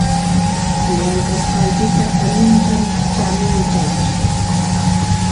Llamk'asqaykita allintam chaninchay